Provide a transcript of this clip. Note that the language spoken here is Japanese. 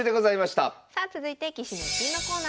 さあ続いて「棋士の逸品」のコーナーです。